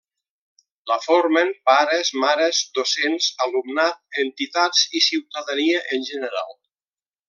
La formen pares, mares, docents, alumnat, entitats i ciutadania en general.